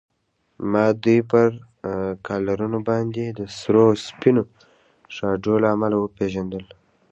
ما دوی پر کالرونو باندې د سرو او سپینو ټراډو له امله و پېژندل.